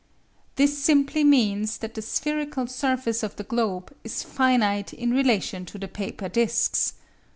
This simply means that the spherical surface of the globe is finite in relation to the paper discs.